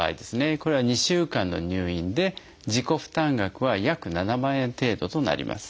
これは２週間の入院で自己負担額は約７万円程度となります。